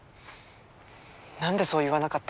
何でそう言わなかったの。